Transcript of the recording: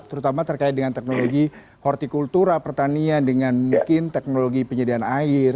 terutama terkait dengan teknologi hortikultura pertanian dengan mungkin teknologi penyediaan air